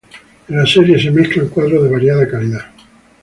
En la serie se mezclan cuadros de variada calidad.